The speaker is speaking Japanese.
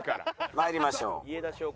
参りましょう。